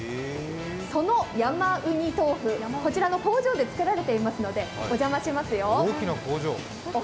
その山うにとうふ、こちらの工場で作られていますので、お邪魔しますよ。